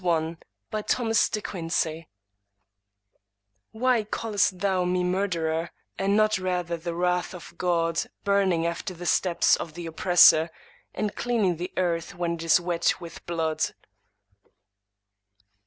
105 Thomas De Quincey The Avenger "Why callest thou me murderer, and not rather the wrath of God burning after the steps of the oppressor, and cleansing the earth when it is wet with blood?"